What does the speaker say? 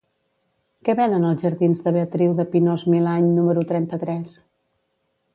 Què venen als jardins de Beatriu de Pinós-Milany número trenta-tres?